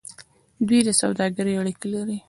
دوی د سوداګرۍ اړیکې لرلې.